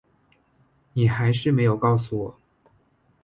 你还是没有告诉我